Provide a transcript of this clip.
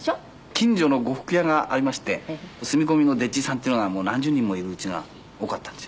近所の呉服屋がありまして住み込みの丁稚さんっていうのがもう何十人もいる家が多かったんですよね。